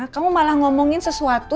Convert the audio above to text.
kamu malah ngomongin sesuatu